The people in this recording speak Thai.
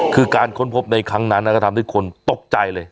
คือการค้นพบในครั้งนั้นก็ทำให้คนตกใจเลย